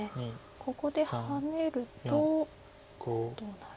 ここでハネるとどうなる？